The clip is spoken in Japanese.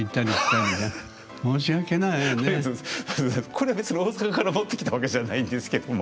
これは別に大阪から持ってきたわけじゃないんですけども。